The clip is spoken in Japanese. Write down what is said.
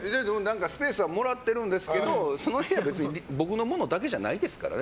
スペースはもらってるんですけどその部屋、別に僕のものだけじゃないですからね。